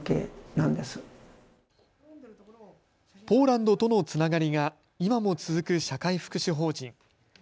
ポーランドとのつながりが今も続く社会福祉法人。